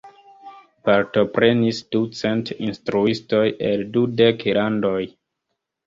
Partoprenis ducent instruistoj el dudek landoj.